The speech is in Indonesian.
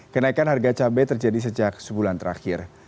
kenaikan harga cabai terjadi sejak sebulan terakhir